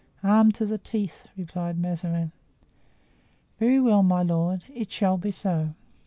"Armed to the teeth!" replied Mazarin. "Very well, my lord; it shall be so."